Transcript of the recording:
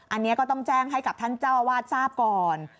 อันนี้ก็ต้องแจ้งให้กับท่านเจ้าอาวาสทราบก่อน